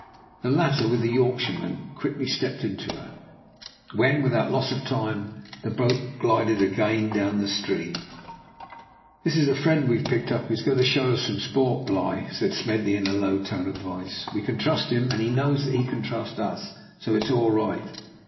The latter with the Yorkshireman quickly stepped into her, when without loss of time the boat glided again down the stream. "This is a friend we have picked up, who is going to show us some sport, Bligh," said Smedley in a low tone of voice. "We can trust him, and he knows that he can trust us; so it is all right."